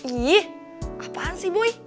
ih apaan sih boy